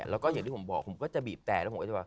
แล้วก็อย่างที่ผมบอกผมก็จะบีบแตร์